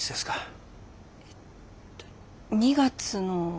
えっと２月の。